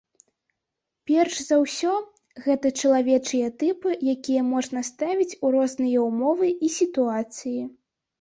Перш за ўсё, гэта чалавечыя тыпы, якія можна ставіць у розныя ўмовы і сітуацыі.